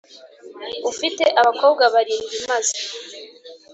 Ufite abakobwa barindwi maze